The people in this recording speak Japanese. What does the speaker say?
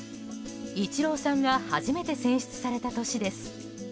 イチローさんが初めて選出された年です。